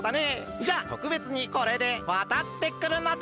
じゃあとくべつにこれでわたってくるのだ。